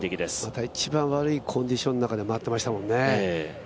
また一番悪いコンディションの中で回ってましたもんね。